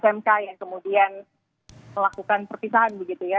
mk yang kemudian melakukan perpisahan begitu ya